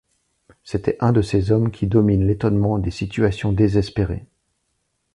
C’était un de ces hommes qui dominent l’étonnement des situations désespérées.